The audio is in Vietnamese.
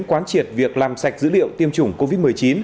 quán triệt việc làm sạch dữ liệu tiêm chủng covid một mươi chín